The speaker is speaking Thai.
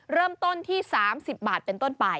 เริ่มต้นที่๓๐บาทเป็นต้นไป